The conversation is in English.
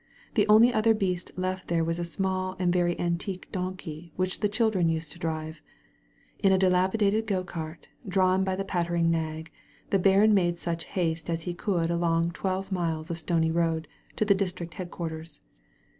The only other beast left there was a small and very antique donkey which the children used to drive. In a dilapidated go cart, drawn by this pattering nag, the baron made such haste as he could along twelve miles of stony road to the district head quarters.